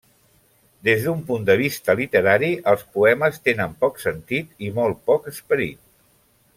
Des d'un punt de vista literari, els poemes tenen poc sentit i molt poc esperit.